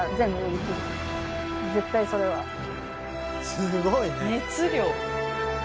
絶対それはすごいね熱量